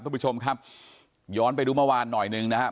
คุณผู้ชมครับย้อนไปดูเมื่อวานหน่อยหนึ่งนะครับ